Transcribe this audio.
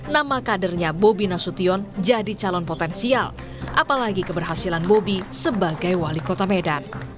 nama kadernya bobi nasution jadi calon potensial apalagi keberhasilan bobi sebagai wali kota medan